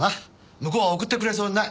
向こうは送ってくれそうにない。